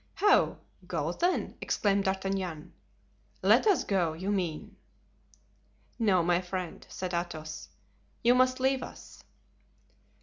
"How, go then?" exclaimed D'Artagnan. "Let us go, you mean?" "No, my friend," said Athos, "you must leave us."